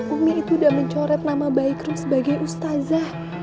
umi itu udah mencoret nama baiknya sebagai ustazah